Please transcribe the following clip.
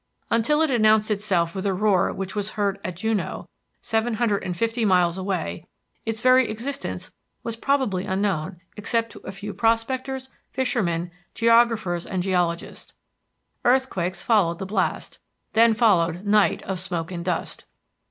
Until it announced itself with a roar which was heard at Juneau, seven hundred and fifty miles away, its very existence was probably unknown except to a few prospectors, fishermen, geographers, and geologists. Earthquakes followed the blast, then followed night of smoke and dust.